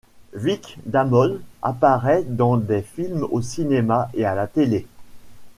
Vic Damone apparaît dans des films au cinéma et à la télé.